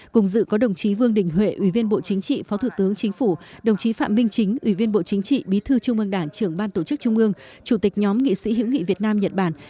cùng dự có đồng chí vương đình huệ ủy viên bộ chính trị phó thủ tướng chính phủ đồng chí phạm minh chính ủy viên bộ chính trị bí thư trung ương đảng trưởng ban tổ chức trung ương chủ tịch nhóm nghị sĩ hữu nghị việt nam nhật bản